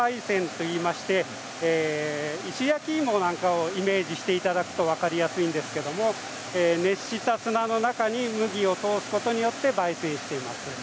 煎といいまして石焼き芋なんかをイメージしていただくと分かりやすいんですけれども熱した砂の中に麦を通すことでばい煎しています。